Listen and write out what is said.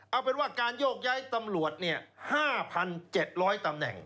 เอาเป็นว่าการโยกย้ายตำรวจห้าพันเจ็ดร้อยตำแหน่ง